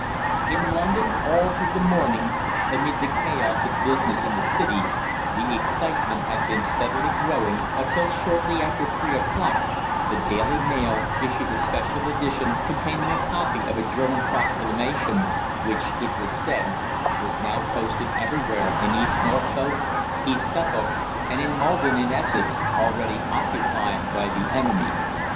In London all through the morning, amid the chaos of business in the City, the excitement had been steadily growing, until shortly after three o'clock the "Daily Mail" issued a special edition containing a copy of a German proclamation which, it was said, was now posted everywhere in East Norfolk, East Suffolk, and in Maldon in Essex, already occupied by the enemy.